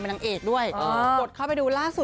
เป็นนางเอกด้วยกดเข้าไปดู